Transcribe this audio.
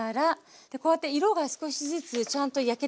こうやって色が少しずつちゃんと焼けてきてますよね。